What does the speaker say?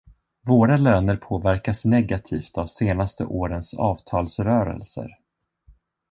Våra löner påverkas negativt av senaste årens avtalsrörelser.